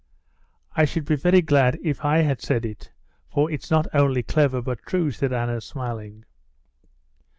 "I should be very glad if I had said it, for it's not only clever but true," said Anna, smiling.